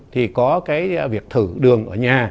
thì có cái việc thử đường ở nhà